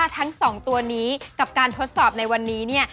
ทั้ง๒ตัวนี้กับการทดสอบในวันนี้เนี่ย